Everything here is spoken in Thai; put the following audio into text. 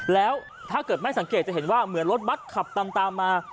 แล้วถ้าเกิดไม่สังเกตจะเห็นว่าเหมือนรถบัตรขับตามมา